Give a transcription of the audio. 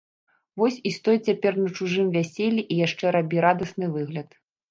Вось і стой цяпер на чужым вяселлі і яшчэ рабі радасны выгляд.